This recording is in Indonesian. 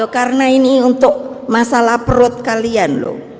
karena ini untuk masalah perut kalian